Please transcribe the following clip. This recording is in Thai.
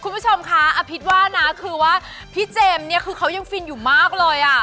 คุณผู้ชมคะอภิษว่านะคือว่าพี่เจมส์เนี่ยคือเขายังฟินอยู่มากเลยอ่ะ